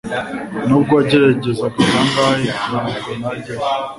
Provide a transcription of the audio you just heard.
nubwo wagerageza kangahe ntabwo najyayo